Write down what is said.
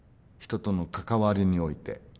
人との関わりにおいて。